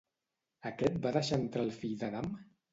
Aquest va deixar entrar el fill d'Adam?